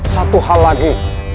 satu hal lagi